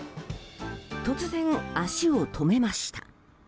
突然、足を止めました。